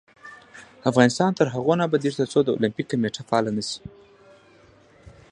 افغانستان تر هغو نه ابادیږي، ترڅو د اولمپیک کمیټه فعاله نشي.